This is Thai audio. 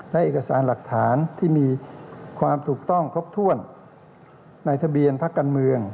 และเอกสารหลักฐานที่มีความถูกต้องครบถ้วนในทะเบียนพักการเมือง